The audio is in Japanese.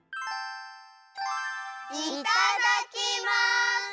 いただきます！